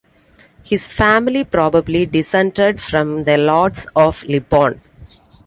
His family probably descended from the Lords of Lipporn.